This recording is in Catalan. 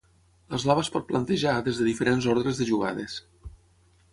L'eslava es pot plantejar des de diferents ordres de jugades.